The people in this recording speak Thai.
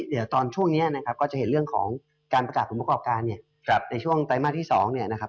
เดี๋ยวตอนช่วงนี้นะครับก็จะเห็นเรื่องของการประกาศผลประกอบการเนี่ยในช่วงไตรมาสที่๒เนี่ยนะครับ